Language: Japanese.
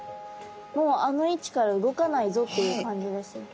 もうあの位置から動かないぞっていう感じですね。